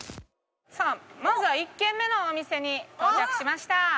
さあまずは１軒目のお店に到着しました。